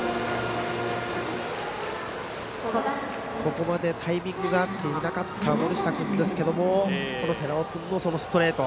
ここまでタイミングが合っていなかった森下君ですけど寺尾君のストレート。